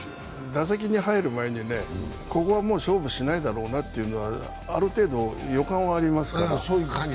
打席に入る前に、ここはもう勝負しないだろうなというのはある程度、予感はありますから。